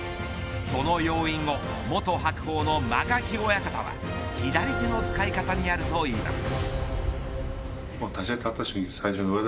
その要因を元白鵬の間垣親方は左手の使い方にあるといいます。